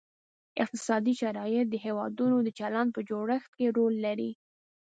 اقتصادي شرایط د هیوادونو د چلند په جوړښت کې رول لري